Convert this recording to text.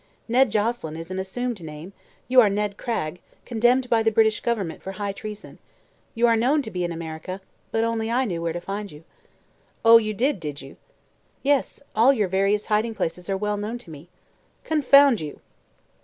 Ned Joselyn is an assumed name; you are Ned Cragg, condemned by the British government for high treason. You are known to be in America, but only I knew where to find you." "Oh, you knew, did you?" "Yes; all your various hiding places are well known to me." "Confound you!"